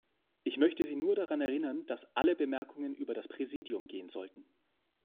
Ich möchte Sie nur daran erinnern, dass alle Bemerkungen über das Präsidium gehen sollten.